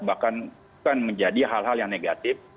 bahkan bukan menjadi hal hal yang negatif